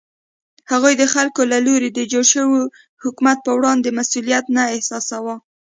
هغوی د خلکو له لوري د جوړ شوي حکومت په وړاندې مسوولیت نه احساساوه.